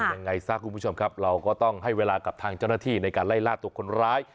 ยังไงซะคุณผู้ชมครับเราก็ต้องให้เวลากับทางเจ้าหน้าที่ในการไล่ล่าตัวคนร้าย